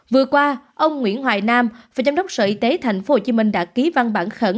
vừa qua ông nguyễn hoài nam phó giám đốc sở y tế tp hcm đã ký văn bản khẩn